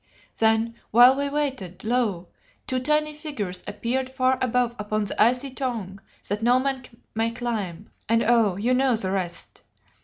"Then, while we waited, lo! two tiny figures appeared far above upon the icy tongue that no man may climb, and oh! you know the rest.